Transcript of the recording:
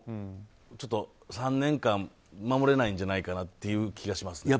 ３年間、守れないんじゃないかなという気がします。